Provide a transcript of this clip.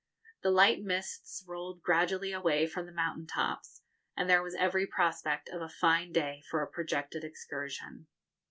The light mists rolled gradually away from the mountain tops, and there was every prospect of a fine day for a projected excursion.